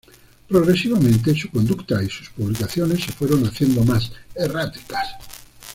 Progresivamente su conducta y sus publicaciones se fueron haciendo más erráticas.